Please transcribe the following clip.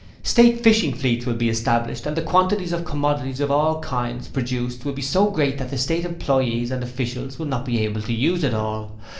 'State fishing fleets will be established and the quantities of commodities of all kinds produced will be so great that the State employees and officials will not be able to use it all.